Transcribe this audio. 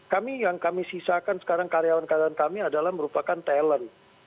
kami yang kami sisakan sekarang karyawan karyawan kami adalah merupakan talent